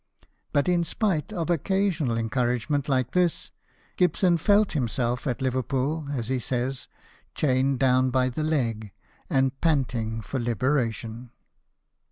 But in spite of occasional encourage ment like this, Gibson felt himself at Liverpool, as he says, " chained down by the leg, and panting for liberation."